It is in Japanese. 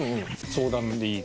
相談でいい。